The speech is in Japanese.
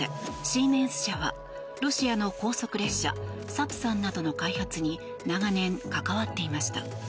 シーメンス社はロシアの高速列車「サプサン」などの開発に長年、関わっていました。